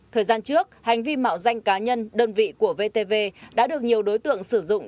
thời gian trước hành vi mạo danh cá nhân đơn vị của vtv đã được nhiều đối tượng sử dụng